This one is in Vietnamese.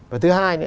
và thứ hai